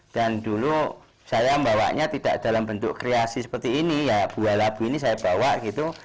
dan dulu saya membawanya tidak dalam bentuk kreasi seperti ini ya buah labu ini saya bawa gitu